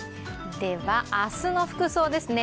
明日の服装ですね。